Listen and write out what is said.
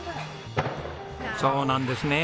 そうなんですね。